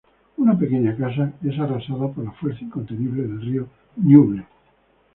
Una pequeña casa es arrasada por la fuerza incontenible del río Ñuble.